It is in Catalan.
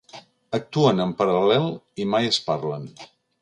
Actuen en paral·lel i mai es parlen.